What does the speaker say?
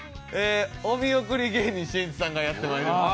お見送り芸人しんいちさんがやってまいります。